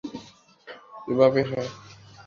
এভাবে, হ্যাঁ।